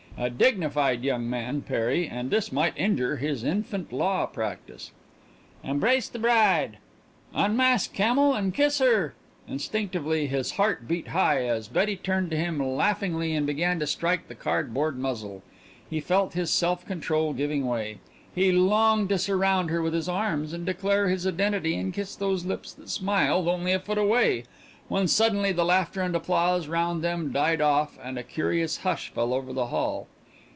A dignified young man, Perry and this might injure his infant law practice. "Embrace the bride!" "Unmask, camel, and kiss her!" Instinctively his heart beat high as Betty turned to him laughingly and began to stroke the card board muzzle. He felt his self control giving way, he longed to surround her with his arms and declare his identity and kiss those lips that smiled only a foot away when suddenly the laughter and applause round them died off and a curious hush fell over the hall.